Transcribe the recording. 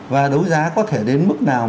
và đấu giá có thể đến mức nào